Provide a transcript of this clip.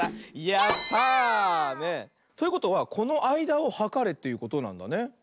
やった！ということはこのあいだをはかれということなんだね。